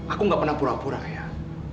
aku gak pernah pura pura ya